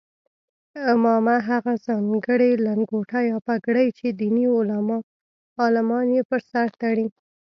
عمامه هغه ځانګړې لنګوټه یا پګړۍ چې دیني عالمان یې پر سر تړي.